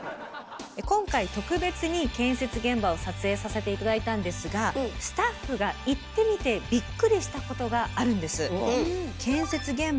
今回特別に建設現場を撮影させて頂いたんですがスタッフが行ってみてびっくりしたことがあるんです。